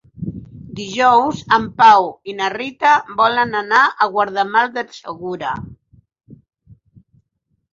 Dijous en Pau i na Rita volen anar a Guardamar del Segura.